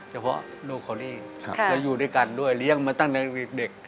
เฉพาะลูกของนี่เราอยู่ด้วยกันด้วยเลี้ยงมาตั้งเด็ก